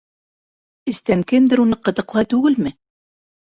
Эстән кемдер уны ҡытыҡлай түгелме?!